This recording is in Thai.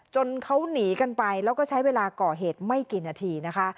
เขาหนีกันไปแล้วก็ใช้เวลาก่อเหตุไม่กี่นาทีนะคะ